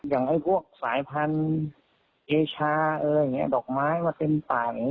อย่างไอ้พวกสายพันธุ์เอชาเอออย่างเงี้ยดอกไม้มาเต็มต่างอย่างเงี้ย